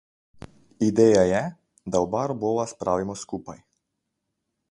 Ideja je, da oba robova spravimo skupaj.